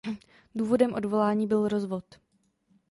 Důvodem odvolání byl rozvod.